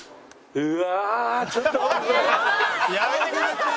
うわ！」